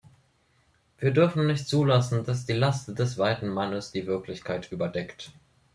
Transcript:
Wir dürfen nicht zulassen, dass die "Last des weißen Mannes" die Wirklichkeit überdeckt.